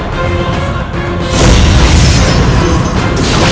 kamu lagi tak triple